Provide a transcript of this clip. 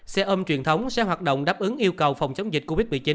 xe ôm truyền thống sẽ hoạt động đáp ứng yêu cầu phòng chống dịch covid một mươi chín